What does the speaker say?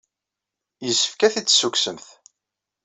Yessefk ad t-id-tessukksemt.